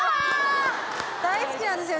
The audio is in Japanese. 大好きなんですよ